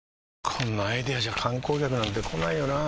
こんなアイデアじゃ観光客なんて来ないよなあ